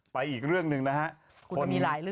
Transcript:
อีกเรื่องหนึ่งนะครับ